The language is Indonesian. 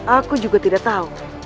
aku juga tidak tahu